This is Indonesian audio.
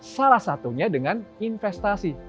salah satunya dengan investasi